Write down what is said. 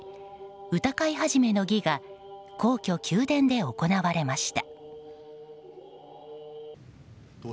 歌会始の儀が皇居・宮殿で行われました。